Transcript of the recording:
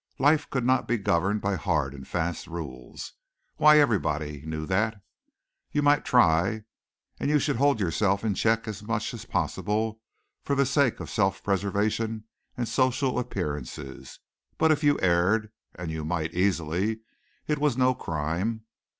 Life could not be governed by hard and fast rules. Why, everybody knew that. You might try, and should hold yourself in check as much as possible for the sake of self preservation and social appearances, but if you erred and you might easily it was no crime.